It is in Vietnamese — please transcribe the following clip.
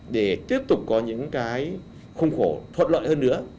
để tiếp tục có những cái khung khổ thuận lợi hơn nữa